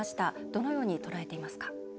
どのように捉えていますか？